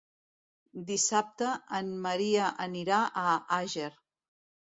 Dissabte en Maria anirà a Àger.